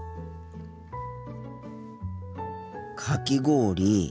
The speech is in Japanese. かき氷。